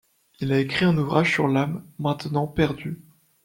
Il a écrit un ouvrage sur l'âme, maintenant perdu.